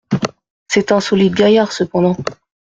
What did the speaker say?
C’est un solide gaillard, cependant !